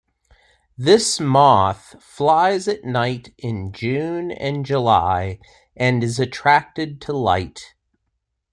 This moth flies at night in June and July and is attracted to light.